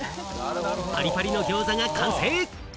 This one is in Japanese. パリパリのギョーザが完成！